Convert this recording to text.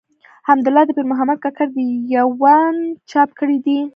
حمدالله د پيرمحمد کاکړ د ېوان چاپ کړی دﺉ.